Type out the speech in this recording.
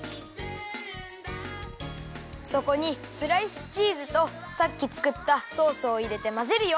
そこにスライスチーズとさっきつくったソースをいれてまぜるよ。